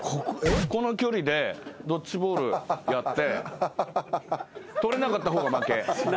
この距離でドッジボールやって捕れなかった方が負け。